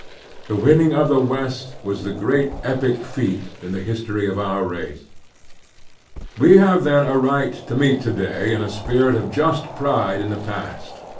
The winning of the West was the great epic feat in the history of our race. We have then a right to meet to day in a spirit of just pride in the past.